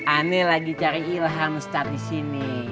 aneh lagi cari ilham ustadz disini